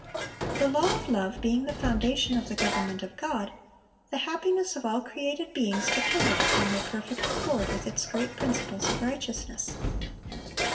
The law of love being the foundation of the government of God, the happiness of all created beings depended upon their perfect accord with its great principles of righteousness.